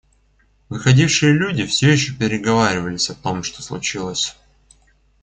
Выходившие люди всё еще переговаривались о том, что случилось.